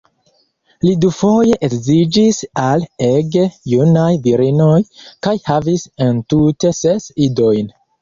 Li dufoje edziĝis al ege junaj virinoj kaj havis entute ses idojn.